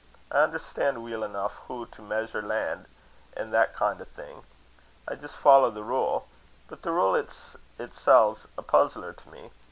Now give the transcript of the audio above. I unnerstan' weel eneuch hoo to measur' lan', an' that kin' o' thing. I jist follow the rule. But the rule itsel's a puzzler to me.